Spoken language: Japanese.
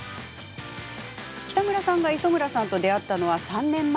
北村さんが磯村さんと出会ったのは３年前。